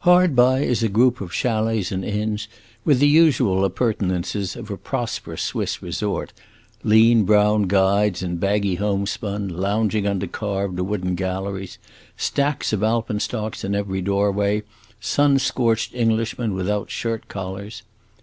Hard by is a group of chalets and inns, with the usual appurtenances of a prosperous Swiss resort lean brown guides in baggy homespun, lounging under carved wooden galleries, stacks of alpenstocks in every doorway, sun scorched Englishmen without shirt collars.